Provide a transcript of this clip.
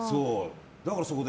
だから、そこで。